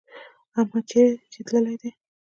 احمد چې تللی دی.